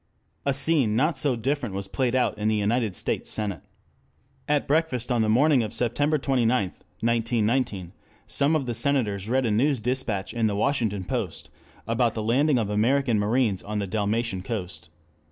A scene not so different was played in the United States Senate. At breakfast on the morning of September 29, 1919, some of the Senators read a news dispatch in the Washington Post about the landing of American marines on the Dalmatian coast.